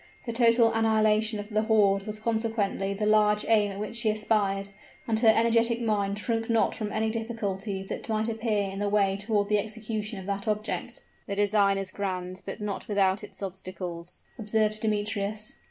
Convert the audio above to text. The total annihilation of the horde was consequently the large aim at which she aspired, and her energetic mind shrunk not from any difficulties that might appear in the way toward the execution of that object. "The design is grand, but not without its obstacles," observed Demetrius.